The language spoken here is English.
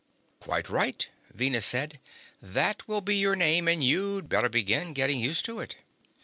"Quite right," Venus said. "That will be your name, and you'd better begin getting used to it."